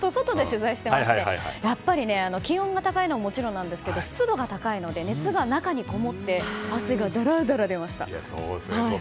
今日、外で取材していまして気温が高いのはもちろんですが湿度が高いので、熱が中にこもって汗がだらだら出ました。